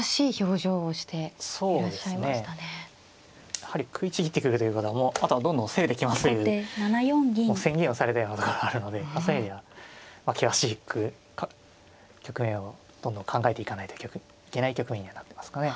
やはり食いちぎってくるということはもうあとはどんどん攻めてきますという宣言をされたようなところがあるのでそういう意味では険しく局面をどんどん考えていかないといけない局面にはなってますかね。